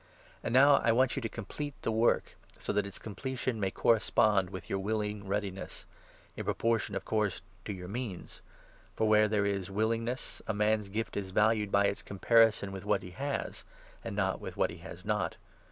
And now I want you to n complete the work, so that its completion may correspond with your willing readiness — in proportion, of course, to your means. For, where there is willingness, a man's gift is valued by its 12 comparison with what he has, and not with what he has not.